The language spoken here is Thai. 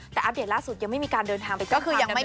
แต่อัพเดทล่าสุดยังไม่มีการเดินทางไปแจ้งความดำเนินคดีนะ